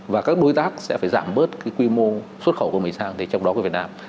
và các đối tác sẽ phải giảm bớt quy mô xuất khẩu của mỹ sang trong đó của việt nam